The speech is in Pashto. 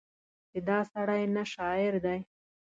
چې دا سړی نه شاعر دی